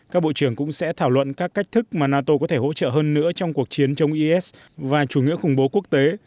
các bộ trưởng cũng sẽ thảo luận các cách thức mà nato có thể hỗ trợ hơn nữa trong cuộc chiến chống is và chủ nghĩa khủng bố quốc tế